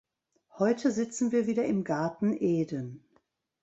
Heute sitzen wir wieder im Garten Eden.